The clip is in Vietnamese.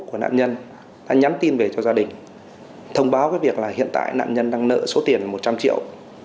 của nạn nhân đã nhắn tin về cho gia đình thông báo với việc là hiện tại nạn nhân đang nợ số tiền một trăm linh triệu